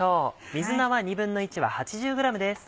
水菜は１／２わ８０ｇです。